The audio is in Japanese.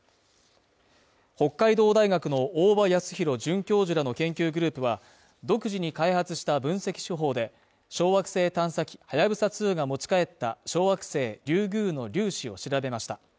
北海道大学の大場康弘准教授らの研究グループは、独自に開発した分析手法で、小惑星探査機「はやぶさ２」が持ち帰った小惑星リュウグウの粒子を調べました。